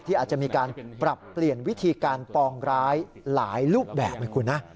อาจจะมีการปรับเปลี่ยนวิธีการปองร้ายหลายรูปแบบไหมคุณนะ